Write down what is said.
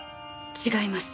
違います。